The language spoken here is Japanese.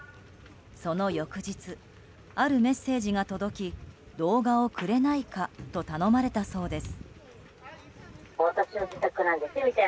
その翌日、あるメッセージが届き動画をくれないかと頼まれたそうです。